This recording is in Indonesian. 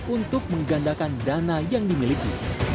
untuk menggandakan dana yang dimiliki